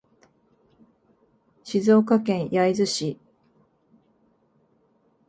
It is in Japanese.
静岡県焼津市